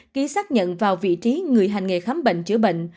ký xác nhận vào vị trí người hành nghề khám bệnh chữa bệnh